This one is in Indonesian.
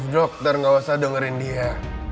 dokter gak usah dengerin dia